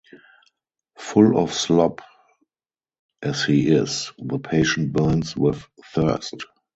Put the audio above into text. Full of slop as he is, the patient burns with thirst.